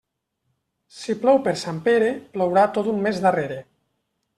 Si plou per Sant Pere, plourà tot un mes darrere.